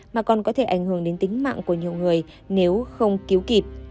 mà còn có thể ảnh hưởng đến tính mạng của nhiều người nếu không cứu kịp